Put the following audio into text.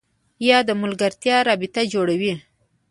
یا د ملګرتیا رابطه جوړوي